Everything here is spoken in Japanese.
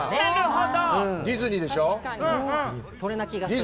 ほら、ディズニーでしょ？